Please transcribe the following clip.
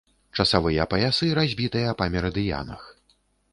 Часавыя паясы разбітыя па мерыдыянах.